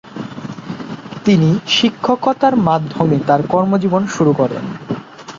তিনি শিক্ষকতার মাধ্যমে তার কর্মজীবন শুরু করেন।